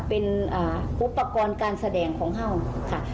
เป็นอุปกรณ์การแสดงของห้างค่ะ